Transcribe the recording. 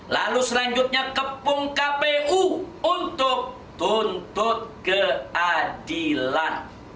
lalu selanjutnya kepung kpu untuk tuntut keadilan